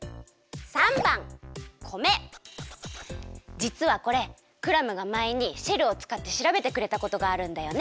じつはこれクラムがまえにシェルをつかってしらべてくれたことがあるんだよね。